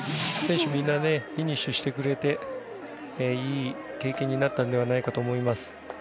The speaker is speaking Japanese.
選手、みんなフィニッシュしてくれていい経験になったのではないかと思います。